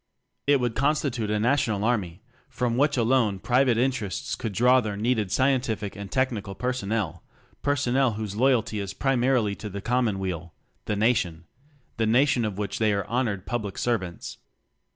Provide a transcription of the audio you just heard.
It would constitute a National Army, from which alone Private Interests could draw their needed scientific and technical personnel; personnel whose loyalty is primarily to the Common weal the Nation; the Nation of which they are honored Public Servants.